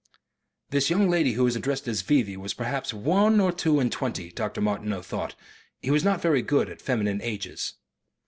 This young lady who was addressed as "V.V." was perhaps one or two and twenty, Dr. Martineau thought, he was not very good at feminine ages.